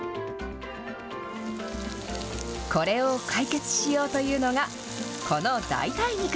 これを解決しようというのが、この代替肉。